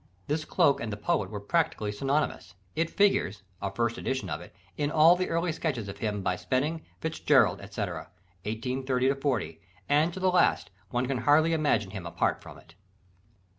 This cloak and the Poet were practically synonymous. It figures a first edition of it in all the early sketches of him by Spedding, Fitzgerald, etc. (1830 40) and to the last, one can hardly imagine him apart from it.